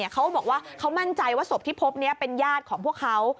เขาบอกว่าเขามั่นใจว่าศพที่พบนี้เป็นญาติของพวกเขา